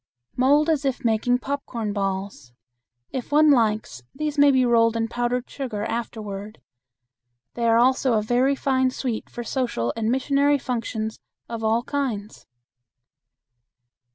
Mold as if making popcorn balls. If one likes, these may be rolled in powdered sugar afterward. These are also a very fine sweet for social and missionary functions of all kinds.